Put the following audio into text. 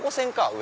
上。